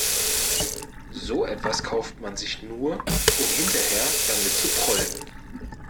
So etwas kauft man sich nur, um hinterher damit zu prollen.